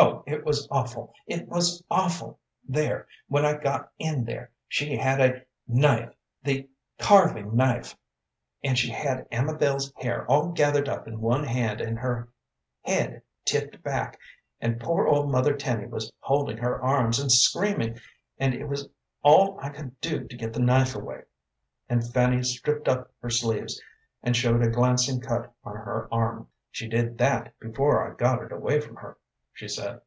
Oh, it was awful, it was awful! There, when I got in there, she had a knife, the carving knife, and she had Amabel's hair all gathered up in one hand, and her head tipped back, and poor old mother Tenny was holding her arms, and screamin', and it was all I could do to get the knife away," and Fanny stripped up her sleeves, and showed a glancing cut on her arm. "She did that before I got it away from her," she said.